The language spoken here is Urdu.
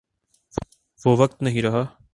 وہ وقت نہیں رہا۔